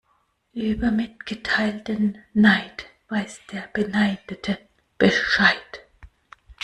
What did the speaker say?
Über mitgeteilten Neid weiß der Beneidete Bescheid.